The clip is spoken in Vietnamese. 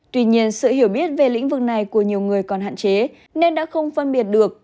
tuy nhiên sự hiểu biết về lĩnh vực này của nhiều người còn hạn chế nên đã không phân biệt được